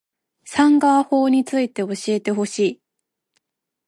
サンガ―法について教えてほしい